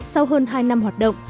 sau hơn hai năm hoạt động